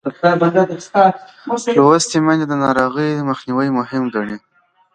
لوستې میندې د ناروغۍ مخنیوی مهم ګڼي.